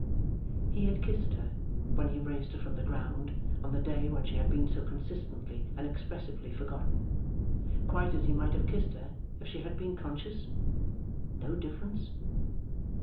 He had kissed her when he raised her from the ground on the day when she had been so consistently and expressively forgotten. Quite as he might have kissed her, if she had been conscious? No difference?